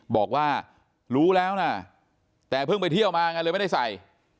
บอกว่ารู้แล้วนะแต่เพิ่งไปเที่ยวมาไงเลยไม่ได้ใส่